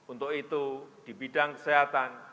untuk itu di bidang kesehatan